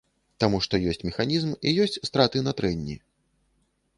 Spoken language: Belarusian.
Таму што ёсць механізм і ёсць страты на трэнні.